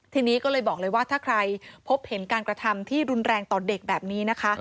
ทีนี้ก็เลยบอกเลยว่าถ้าใครพบเห็นการกระทำที่รุนแรงต่อเด็กแบบนี้นะคะ